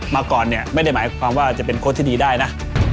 มาก่อนเนี่ยไม่ได้หมายความว่าจะเป็นโค้ชที่ดีได้นะ